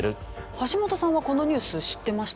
橋本さんはこのニュース知ってましたか？